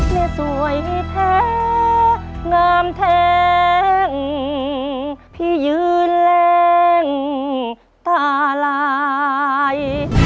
โปรดติดตามตอนต่อไป